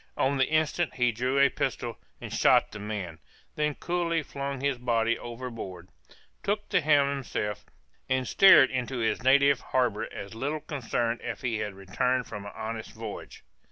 On the instant he drew a pistol and shot the man; then coolly flung his body overboard, took the helm himself, and steered into his native harbor as little concerned as if he had returned from an honest voyage.